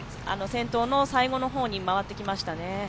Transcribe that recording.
先頭の最後の方に回ってきましたね。